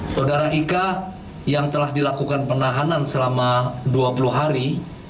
saudara ika yang telah dilakukan penahanan selama dua puluh hari